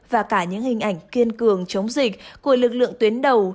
và cả những hình ảnh kiên cường chống dịch của lực lượng tuyến đầu